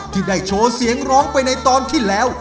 ที่ได้โชว์เสียงร้องไปในตอนที่แล้ว